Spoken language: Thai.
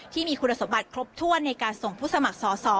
ที่มีคุณสมบัติครบถ้วนในการส่งผู้สมัครสอสอ